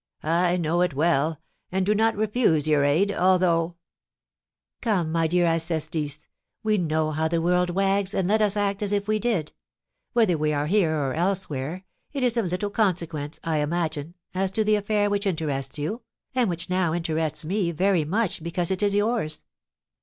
"I know it well, and do not refuse your aid, although " "Come, my dear Alcestis, we know how the world wags, and let us act as if we did. Whether we are here or elsewhere, it is of little consequence, I imagine, as to the affair which interests you, and which now interests me very much because it is yours.